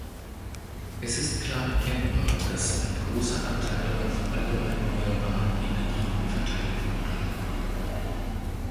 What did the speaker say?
Es ist klar erkennbar, dass ein großer Anteil auf alle erneuerbaren Energien verteilt wurde.